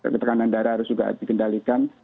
ketekanan darah harus juga dikendalikan